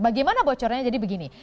bagaimana bocornya jadi begini